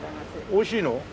おいしいの？